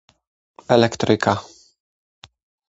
Za tę sprawę odpowiadają państwa członkowskie